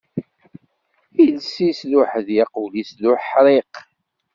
Iles-is d uḥdiq, ul-is d uḥriq.